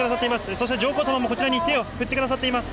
そして上皇さまもこちらに手を振ってくださっています。